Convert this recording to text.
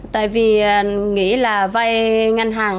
tại vì nghĩ là vay ngân hàng